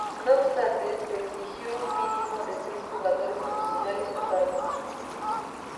No obstante, se exigió un mínimo de seis jugadores profesionales por cada plantel.